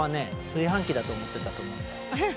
炊飯器だと思ってたと思うんだよ。